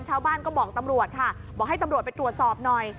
ชาวบ้านก็บอกตำรวจค่ะบอกให้ตำรวจไปตรวจสอบหน่อย